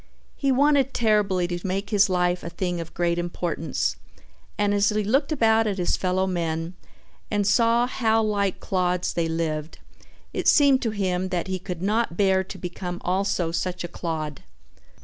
He wanted terribly to make his life a thing of great importance, and as he looked about at his fellow men and saw how like clods they lived it seemed to him that he could not bear to become also such a clod.